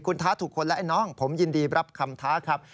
คุณท้าถูกคนแล้วไอ้น้องผมยินดีรับคำท้าครับ